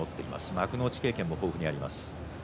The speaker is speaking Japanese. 幕内経験も豊富にあります